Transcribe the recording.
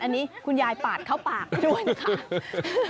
อันนี้คุณยายปาดเข้าปากด้วยนะคะ